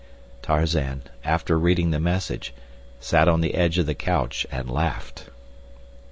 Tarzan, after reading the message, sat on the edge of the couch and laughed.